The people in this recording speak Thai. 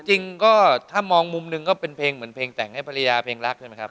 จริงก็ถ้ามองมุมหนึ่งก็เป็นเพลงเหมือนเพลงแต่งให้ภรรยาเพลงรักใช่ไหมครับ